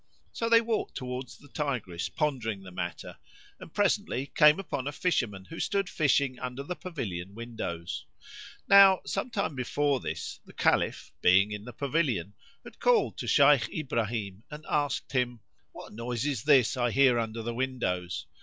So they walked towards the Tigris pondering the matter, and presently came upon a fisherman who stood fishing under the pavilion windows. Now some time before this, the Caliph (being in the pavilion) had called to Shaykh Ibrahim and asked him, "What noise is this I hear under the windows?"